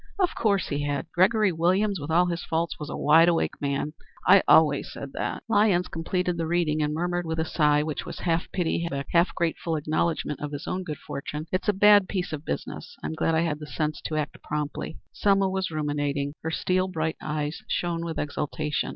"Of course he had. Gregory Williams, with all his faults, was a wide awake man. I always said that." Lyons completed the reading and murmured with a sigh, which was half pity, half grateful acknowledgment of his own good fortune "It's a bad piece of business. I'm glad I had the sense to act promptly." Selma was ruminating. Her steel bright eyes shone with exultation.